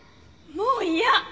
もう嫌！